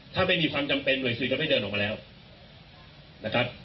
ถ้าไม่มีความจำเป็นหน่วยสื่อก็ไม่เดินออกมาแล้วนะครับ